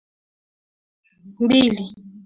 ulimwengu mzima Dunia ni kama baba na mama ambao